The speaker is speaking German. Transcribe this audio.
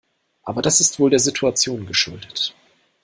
Aber das ist wohl der Situation geschuldet.